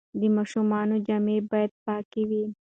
د ماشومانو جامې باید پاکې وي.